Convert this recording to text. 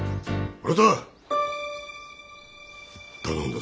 頼んだぞ。